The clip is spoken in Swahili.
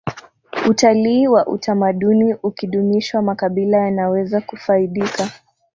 utalii wa utamaduni ukidumishwa makabila yanaweza kufaidika